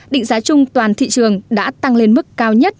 định giá chung toàn thị trường đã tăng lên mức cao nhất